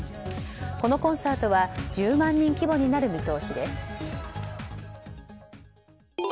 このコンサートは１０万人規模になる見通しです。